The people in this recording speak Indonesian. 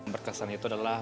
berkesan itu adalah